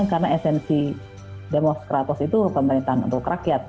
karena esensi demonstratos itu pemerintahan untuk rakyat